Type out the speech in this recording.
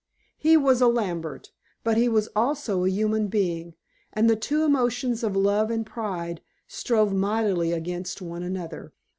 He was a Lambert, but he was also a human being, and the two emotions of love and pride strove mightily against one another.